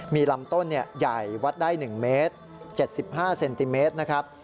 มีลำต้นใหญ่วัดได้๑เมตร๗๕เซนติเมตรนะครับ